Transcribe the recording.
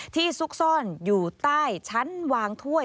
ซุกซ่อนอยู่ใต้ชั้นวางถ้วย